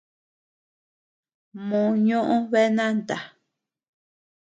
Mò ñoʼö bea nanta.